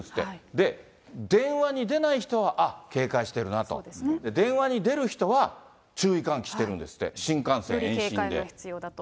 で、電話に出ない人はあっ、警戒してるなと、電話に出る人は、注意喚起しているんですって、より警戒が必要だと。